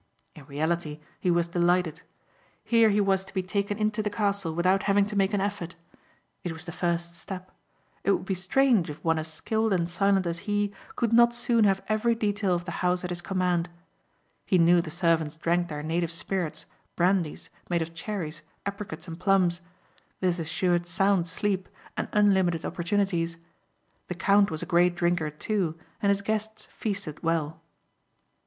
In reality he was delighted. Here he was to be taken into the Castle without having to make an effort. It was the first step. It would be strange if one as skilled and silent as he could not soon have every detail of the house at his command. He knew the servants drank their native spirits, brandies, made of cherries, apricots and plums. This assured sound sleep and unlimited opportunities. The count was a great drinker, too, and his guests feasted well.